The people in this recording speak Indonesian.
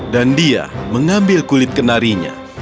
dia mengambil kulit kenarinya